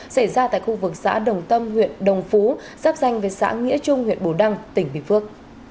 xảy ra tại khu vực xã đồng tâm huyện đồng phú sắp danh với xã nghĩa trung huyện bù đăng tỉnh bình phước